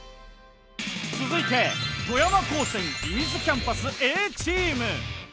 続いて富山高専射水キャンパスＡチーム。